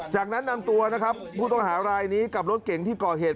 จากนั้นนำตัวนะครับผู้ต้องหารายนี้กับรถเก๋งที่ก่อเหตุ